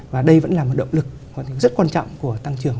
và đây vẫn là một động lực rất quan trọng của tăng trưởng